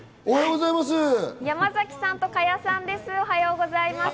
おはようございます。